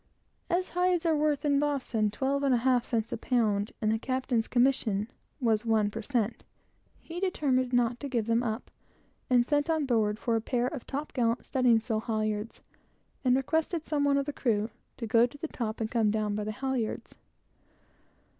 As hides are worth in Boston twelve and a half cents a pound, and the captain's commission was two per cent, he determined not to give them up; and sent on board for a pair of top gallant studding sail halyards, and requested some one of the crew to go to the top, and come down by the halyards.